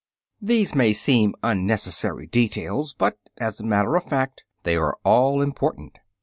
These may seem unnecessary details, but, as a matter of fact, they are all important.